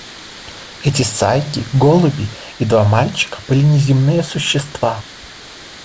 Эти сайки, голуби и два мальчика были неземные существа.